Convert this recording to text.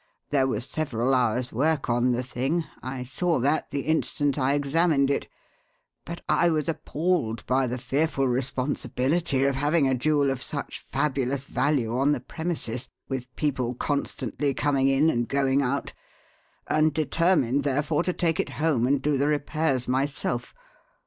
There was several hours' work on the thing I saw that the instant I examined it. But I was appalled by the fearful responsibility of having a jewel of such fabulous value on the premises with people constantly coming in and going out and determined, therefore, to take it home and do the repairs myself.